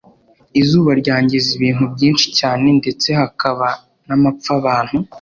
izuba ryangiza ibintu byinshi cyane ndetse hakaba n amapfa abantu